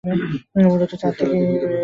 মূলত চা টি মেদ কমাতে সাহায্য করে।